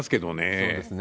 そうですね。